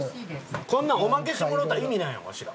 こんなんおまけしてもらったら意味ないやんわしら。